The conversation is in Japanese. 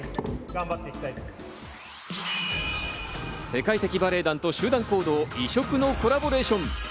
世界的バレエ団と集団行動、異色のコラボレーション。